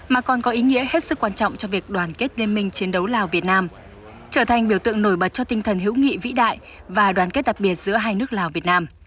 mà còn có ý nghĩa hết sức quan trọng cho việc đoàn kết liên minh chiến đấu lào việt nam trở thành biểu tượng nổi bật cho tinh thần hữu nghị vĩ đại và đoàn kết đặc biệt giữa hai nước lào việt nam